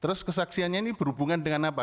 terus kesaksiannya ini berhubungan dengan apa